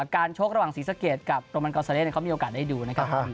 การโชคระหว่างศรีสะเกียจกับโรมันกาวเซเลสมีโอกาสได้ดูนะครับ